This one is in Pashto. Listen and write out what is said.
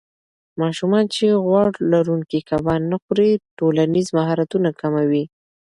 ماشومان چې غوړ لرونکي کبان نه خوري، ټولنیز مهارتونه کم وي.